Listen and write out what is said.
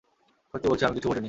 সত্যি বলছি, আমি কিছু বলিনি।